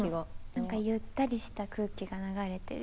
何かゆったりした空気が流れてる。